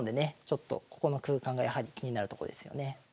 ちょっとここの空間がやはり気になるとこですよね。